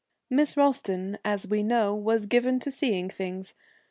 Miss Ralston, as we know, was given to seeing things.